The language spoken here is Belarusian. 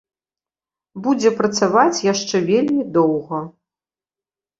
Будзе працаваць яшчэ вельмі доўга.